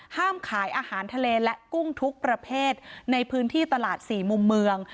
ห้ามขายอาหารทะเลและกุ้งทุกประเภทในพื้นที่ตลาดสี่มุมเมือง